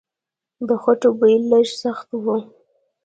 د خټو بوی لږ سخت و.